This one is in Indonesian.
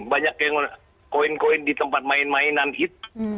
banyak yang koin koin di tempat main mainan itu